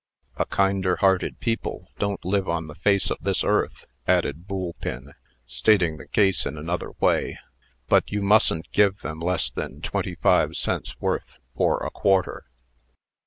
"A kinder hearted people don't live on the face of this earth," added Boolpin, stating the case in another way; "but you mustn't give them less than twenty five cents' worth for a quarter."